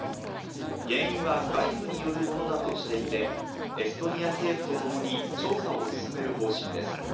原因は外部によるものだとしていて、エストニア政府とともに調査を進める方針です。